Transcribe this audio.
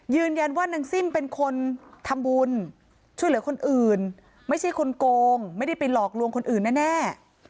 นางซิ่มเป็นคนทำบุญช่วยเหลือคนอื่นไม่ใช่คนโกงไม่ได้ไปหลอกลวงคนอื่นแน่